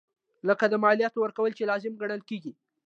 لکه د مالیاتو ورکول چې لازم ګڼل کیږي.